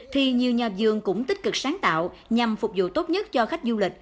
thì nhiều nhà vườn cũng tích cực sáng tạo nhằm phục vụ tốt nhất cho khách du lịch